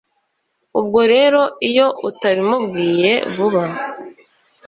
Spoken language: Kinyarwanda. ubwo rero iyo utabimubwiye vuba